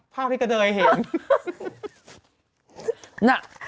ภาพที่กระเดยเห็นน่ะ